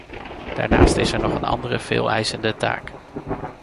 Daarnaast is er nog een andere veeleisende taak.